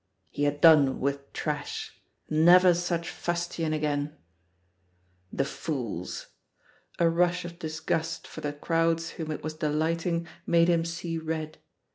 He had done with trash. Never such fustian again I The fools! A rush of disgust for the crowds whom it was delighting made him see red.